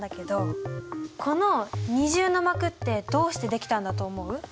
この二重の膜ってどうしてできたんだと思う？